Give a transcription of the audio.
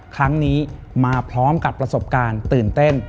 ครั้งนี้มาพร้อมกับประสบการณ์ตื่นเต้น